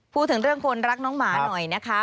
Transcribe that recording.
พูดถึงเรื่องคนรักน้องหมาหน่อยนะคะ